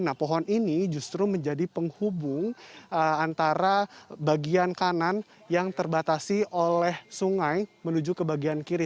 nah pohon ini justru menjadi penghubung antara bagian kanan yang terbatasi oleh sungai menuju ke bagian kiri